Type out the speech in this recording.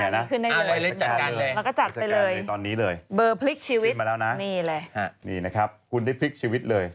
เราก็จัดไปเลยเบอร์พลิกชีวิตนี่แหละนี่นะครับคุณได้พลิกชีวิตเลย